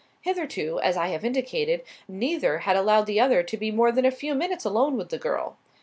Hitherto, as I have indicated, neither had allowed the other to be more than a few minutes alone with the girl.